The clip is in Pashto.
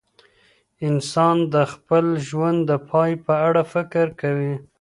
انسان د خپل ژوند د پای په اړه فکر کوي.